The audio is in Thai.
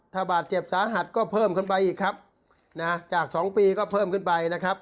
ถ้าบาดเจ็บสาหัสก็เพิ่มขึ้นไปอีกครับนะจากสองปีก็เพิ่มขึ้นไปนะครับ